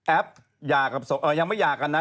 แอฟยากกับสงยังไม่อยากกันนะ